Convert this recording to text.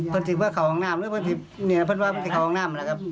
พันธุ์ถึงบ้านเขาข้างหน้ามหรือพันธุ์ถึงเหนือพันธุ์ภาพมันจะเขาข้างหน้ามแล้วครับ